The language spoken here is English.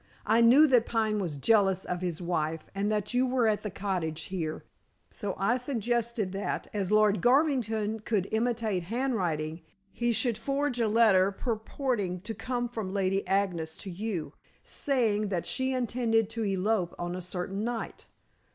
I knew that Pine was jealous of his wife, and that you were at the cottage here, so I suggested that, as Lord Garvington could imitate handwriting, he should forge a letter purporting to come from Lady Agnes to you, saying that she intended to elope on a certain night.